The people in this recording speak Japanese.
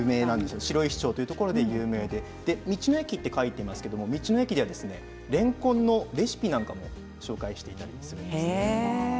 白石町というところで有名で道の駅と書いてありますが道の駅でれんこんのレシピなんかも紹介していたりします。